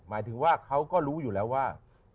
หมายถึงว่าเขาก็รู้อยู่แล้วว่า